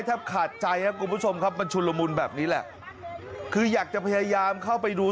ถ้าขาดใจเป็นชุนรมูลแบบนี้แหละคืออยากจะพยายามเข้าไปดู